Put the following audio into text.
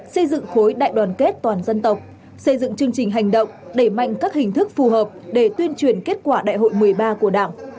xây dựng khối đại đoàn kết toàn dân tộc xây dựng chương trình hành động đẩy mạnh các hình thức phù hợp để tuyên truyền kết quả đại hội một mươi ba của đảng